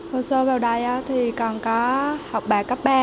hồ sơ vào đây thì còn có học bài cấp ba